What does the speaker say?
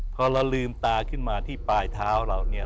พอเราลืมตาขึ้นมาที่ปลายเท้าเราเนี่ย